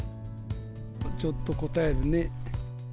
ちょっとこたえるね。